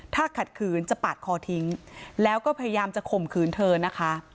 ถ้าขัดขืนจะปาดคอทิ้งแล้วก็พยายามจะข่มขืนเธอนะคะ